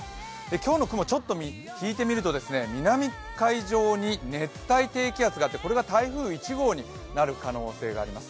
今日の雲ちょっと引いてみると南海上に熱帯低気圧があってこれが台風１号になる可能性があります。